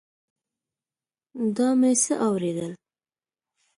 دا مې څه اورېدل.